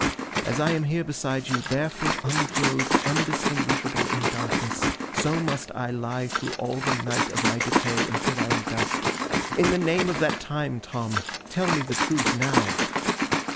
As I am here beside you, barefoot, unclothed, undistinguishable in darkness, so must I lie through all the night of my decay, until I am dust. In the name of that time, Tom, tell me the truth now!